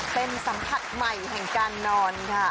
เป็นสัมผัสใหม่แห่งการนอนค่ะ